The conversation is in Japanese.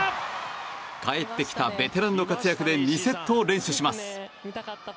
帰ってきたベテランの活躍で２セットを連取します。